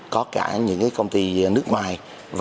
có cả những công ty nước ngoài